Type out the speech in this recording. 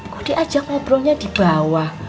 kok diajak ngobrolnya di bawah